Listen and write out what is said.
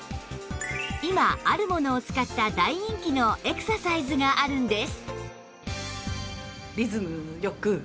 今ある物を使った大人気のエクササイズがあるんです